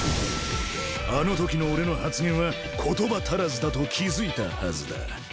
あのときの俺の発言は言葉足らずだと気付いたはずだ。